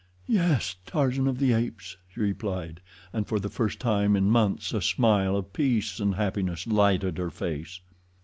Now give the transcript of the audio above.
"Yes, Tarzan of the Apes," she replied, and for the first time in months a smile of peace and happiness lighted her face.